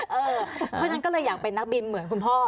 เพราะฉะนั้นก็เลยอยากเป็นนักบินเหมือนคุณพ่อ